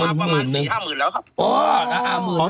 อ๋อนี่เข้ามาสี่ห้ามืดแล้วใช่มั้ยคะ